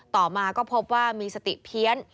ต่อมาก็พบว่ามีสติเพี้ยน